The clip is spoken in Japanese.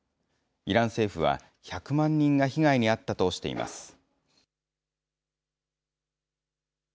イラン政府は１００万人が被害に遭ったとしています。